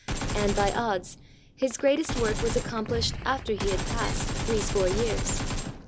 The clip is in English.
And, by odds, his greatest work was accom plished after he had passed three score years.